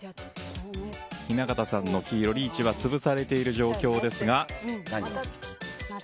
雛形さんのリーチは潰されている状況ですが。